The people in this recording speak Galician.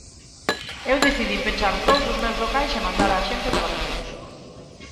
Eu decidín pechar dous dos meus locais e mandar a xente de vacacións.